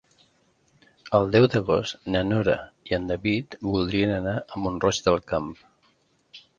El deu d'agost na Nora i en David voldrien anar a Mont-roig del Camp.